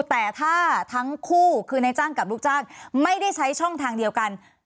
แต่ถ้าทั้งคู่คือในจ้างกับลูกจ้างไม่ได้ใช้ช่องทางเดียวกัน